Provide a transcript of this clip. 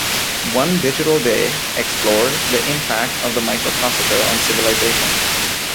"One Digital Day" explored the impact of the microprocessor on civilization.